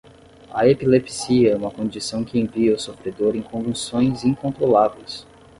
A epilepsia é uma condição que envia o sofredor em convulsões incontroláveis.